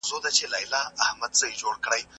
ټول کاینات د انسان د هوساینې لپاره دي.